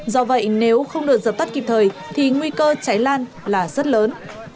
do vậy nếu không được dập tắt kịp thời thì nguy cơ cháy lan là rất lớn